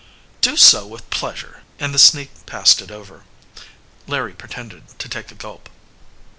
"Do so with pleasure," and the sneak passed it over. Larry pretended to take a gulp.